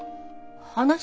話？